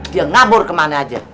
dia ngabur kemana aja